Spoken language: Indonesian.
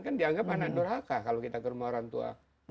kan dianggap anak dorhaka kalau kita ke rumah orang tua